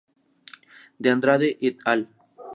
De Andrade "et al.